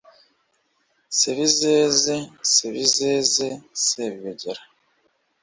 Sebizeze ,Sebizeze, Sebiyogera